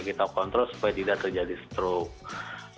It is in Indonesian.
kita kontrol supaya tidak terjadi stroke